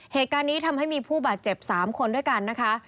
เหตุการณ์นี้ทำให้มีผู้บาดเจ็บ๓คนด้วยกันนะคะ